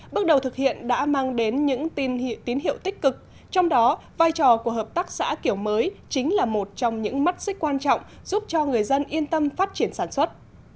bước đầu thực hiện đã mang đến những tín hiệu tích cực trong đó vai trò của hợp tác xã kiểu mới chính là một trong những mắt xích quan trọng giúp cho người dân yên tâm phát triển sản xuất